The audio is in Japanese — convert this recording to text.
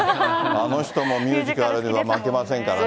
あの人もミュージカルでは負けませんからね。